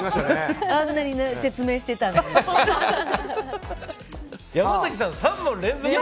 あんなに説明してたのに。